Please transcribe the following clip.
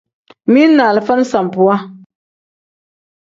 Mili ni alifa sambuwa.